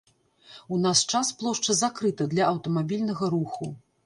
У наш час плошча закрыта для аўтамабільнага руху.